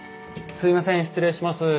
すいません失礼します。